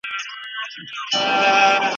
چي به بله آوازه سوه په کوڅو کي